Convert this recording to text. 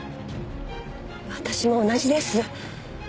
私も同じです！